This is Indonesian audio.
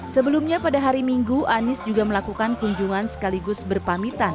sebelumnya pada hari minggu anies juga melakukan kunjungan sekaligus berpamitan